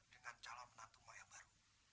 dengan calon menantu mak yang baru